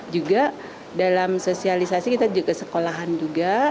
juga dalam sosialisasi kita juga sekolahan juga